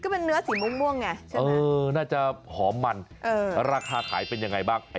เป็นเนื้อสีม่วงไงใช่ไหมน่าจะหอมมันราคาขายเป็นยังไงบ้าง